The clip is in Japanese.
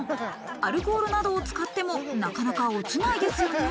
アルコールなどを使っても、なかなか落ちないですよね。